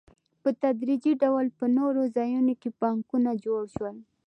په تدریجي ډول په نورو ځایونو کې بانکونه جوړ شول